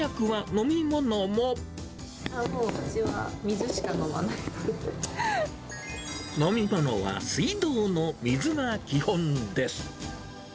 飲み物は水道の水が基本です。